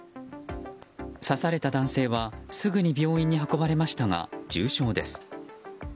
刺された男性は、すぐに病院に運ばれましたが重傷です。